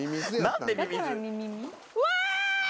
うわ！